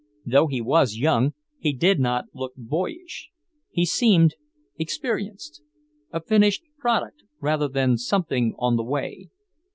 Though he was young, he did not look boyish. He seemed experienced; a finished product, rather than something on the way.